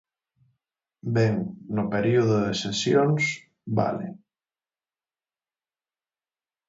Ben, no período de sesións, vale.